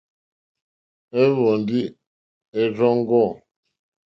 Ɛ́hwɔ̀ndɛ́ ɛ́ rzɔ́ŋɡɔ̂.